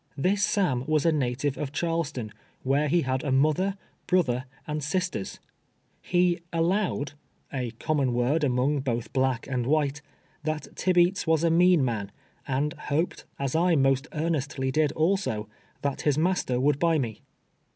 This Sam was a na tive of Charleston, where he had a mother, brother and sisters. He " allowed "— a common word among both black and white — that Tibeats was a mean man, and lioped, as I most earnestly did also, that his mas ter would buy me.